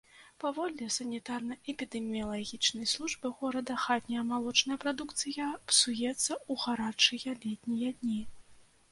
Паводле санітарна-эпідэміялагічнай службы горада, хатняя малочная прадукцыя псуецца ў гарачыя летнія дні.